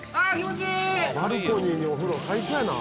バルコニーにお風呂最高やな。